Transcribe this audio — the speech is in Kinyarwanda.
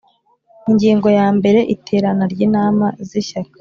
Ingingo ya mbere Iterana ry inama z Ishyaka